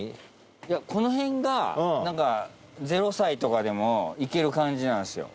いやこの辺が何か０歳とかでも行ける感じなんですよ。